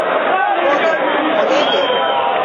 Bone, bonege!